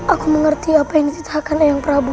aku mengerti apa yang ditahakan eyang prabu